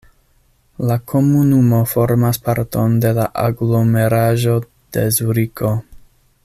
La komunumo formas parton de la aglomeraĵo de Zuriko.